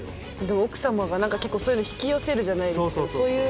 奥さまが結構そういうの引き寄せるじゃないですけどそういう。